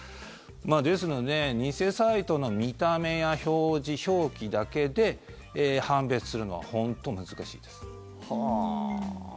ですので偽サイトの見た目や表示表記だけで判別するのは本当に難しいです。